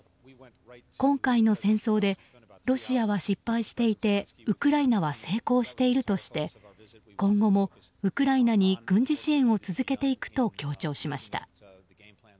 今回の戦争でロシアは失敗していてウクライナは成功しているとして今後もウクライナに軍事支援を続けていくと強調しました。